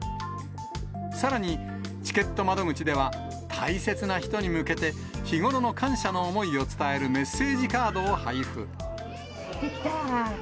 さらに、チケット窓口では大切な人に向けて、日頃の感謝の思いを伝えるメッセージカードを配布。